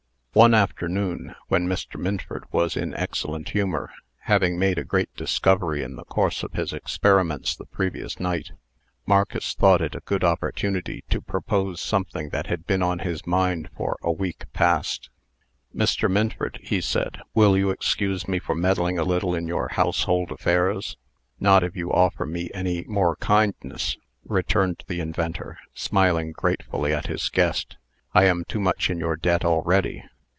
One afternoon when Mr. Minford was in excellent humor, having made a great discovery in the course of his experiments the previous night Marcus thought it a good opportunity to propose something that had been on his mind for a week past. "Mr. Minford," he said, "will you excuse me for meddling a little in your household affairs?" "Not if you offer me any more kindness," returned the inventor, smiling gratefully at his guest. "I am too much in your debt already."